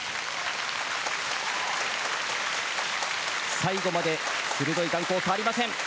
最後まで鋭い眼光変わりません。